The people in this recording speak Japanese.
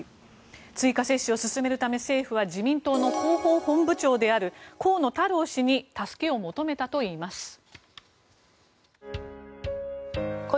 追加接種を進めるため政府は自民党の広報本部長である河野太郎氏に助けを求めたといいます。